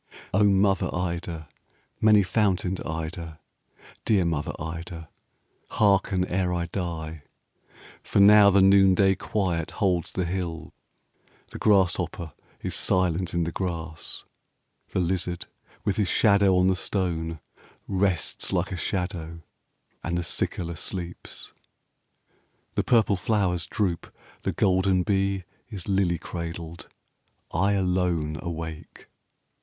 'O mother Ida, many fountained Ida, Dear mother Ida, hearken ere I die. For now the noonday quiet holds the hill: The grasshopper is silent in the grass: 25 The lizard, with his shadow on the stone, Rests like a shadow, and the cicala sleeps. The purple flowers droop: the golden bee Is lily cradled: I alone awake.